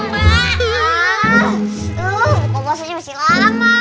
masa maghribnya masih lama